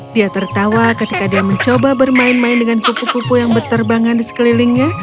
dia tertawa ketika dia mencoba bermain main dengan kupu kupu yang berterbangan di sekelilingnya